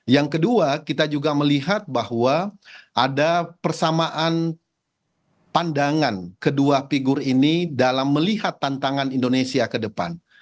yang kedua kita juga melihat bahwa ada persamaan pandangan kedua figur ini dalam melihat tantangan indonesia ke depan